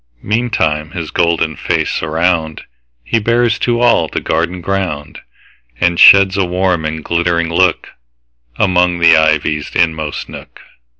Meantime his golden face aroundHe bears to all the garden ground, And sheds a warm and glittering lookAmong the ivy's inmost nook.